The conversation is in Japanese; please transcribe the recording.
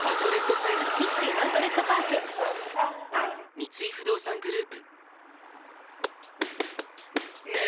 三井不動産グループ